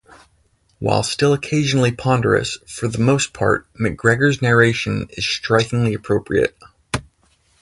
While still occasionally ponderous, for the most part McGregor's narration is strikingly appropriate.